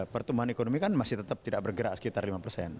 pertumbuhan ekonomi kan masih tetap tidak bergerak sekitar lima persen